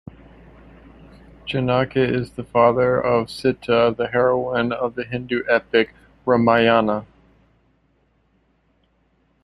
Janaka is the father of Sita, the heroine of the Hindu epic Ramayana.